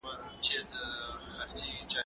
زه اوږده وخت سبزیجات جمع کوم!.